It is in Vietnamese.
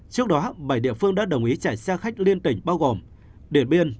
trước đó bảy địa phương đã đồng ý chạy xe khách liên tỉnh bao gồm điện biên